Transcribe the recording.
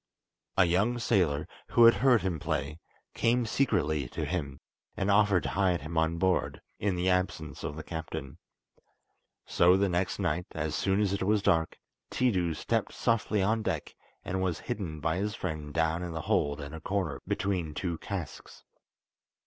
A young sailor, who had heard him play, came secretly to him, and offered to hide him on board, in the absence of the captain. So the next night, as soon as it was dark, Tiidu stepped softly on deck, and was hidden by his friend down in the hold in a corner between two casks.